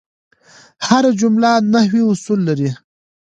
هره جمله نحوي اصول لري.